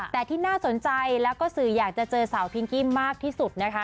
แต่ที่น่าสนใจแล้วก็สื่ออยากจะเจอสาวพิงกี้มากที่สุดนะคะ